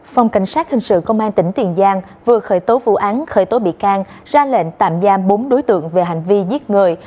phòng cảnh sát hình sự công an tỉnh tiền giang vừa khởi tố vụ án khởi tố bị can ra lệnh tạm giam bốn đối tượng về hành vi giết người